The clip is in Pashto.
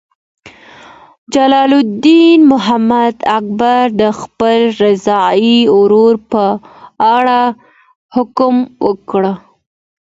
جلال الدین محمد اکبر د خپل رضاعي ورور په اړه حکم وکړ.